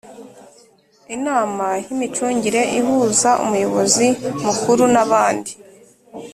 inama y imicungire ihuza Umuyobozi Mukuru nabandi